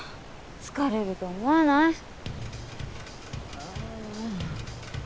疲れると思わない？ああ。